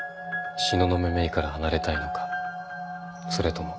東雲メイから離れたいのかそれとも。